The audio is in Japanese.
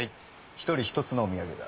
一人一つのお土産だ。